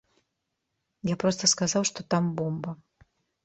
Я проста сказаў, што там бомба.